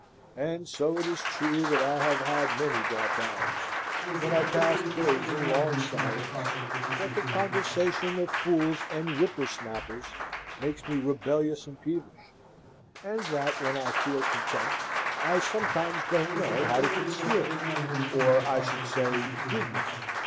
And so it is true that I have had many dark hours; that I pass days in long silence; that the conversation of fools and whipper snappers makes me rebellious and peevish, and that, when I feel contempt, I sometimes don't know how to conceal it, or I should say did not.